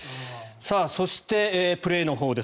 そして、プレーのほうです。